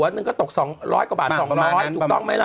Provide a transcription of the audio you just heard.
หนึ่งก็ตก๒๐๐กว่าบาท๒๐๐ถูกต้องไหมล่ะ